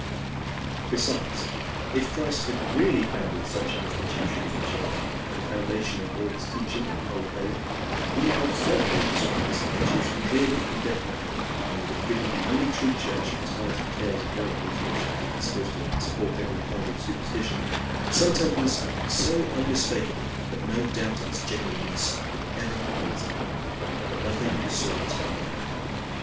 Besides, if Christ had really founded such an institution as the Church for the foundation of all his teaching and the whole faith, he would certainly have described this institution clearly and definitely, and would have given the only true Church, besides tales of miracles, which are used to support every kind of superstition, some tokens so unmistakable that no doubt of its genuineness could ever have arisen. But nothing of the sort was done by him.